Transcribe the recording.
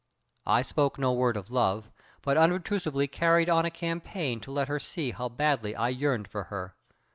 I spoke no word of love, but unobtrusively carried on a campaign to let her see how badly I yearned for her.